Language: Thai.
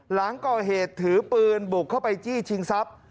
หลังก่อเหตุถือปืนบุกเข้าไปจี้ชิงทรัพย์